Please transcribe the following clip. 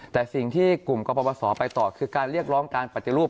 แต่สิ่งที่กลุ่มกรปศไปต่อคือการเรียกร้องการปฏิรูป